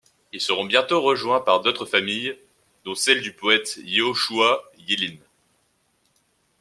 Ils seront bientôt rejoints par d'autres familles dont celle du poète Yéhoshoua Yélin.